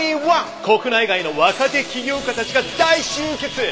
国内外の若手起業家たちが大集結！